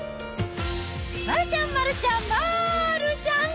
丸ちゃん、丸ちゃん、丸ちゃん。